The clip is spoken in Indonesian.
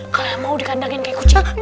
kalau mau dikandangin kayak kucing